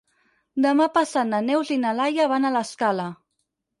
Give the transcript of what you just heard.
Demà passat na Neus i na Laia van a l'Escala.